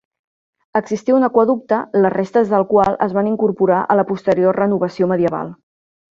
Existia un aqüeducte, les restes del qual es van incorporar a la posterior renovació medieval.